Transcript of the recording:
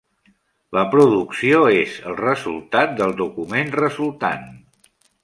La producció és el resultat del document resultant.